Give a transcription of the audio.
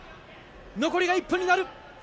残りが１分になる。